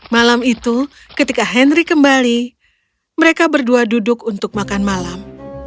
malam itu ketika henry kembali mereka berdua duduk untuk makan malam